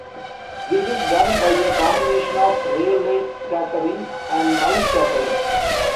This is done by a combination of Rayleigh scattering and Mie scattering.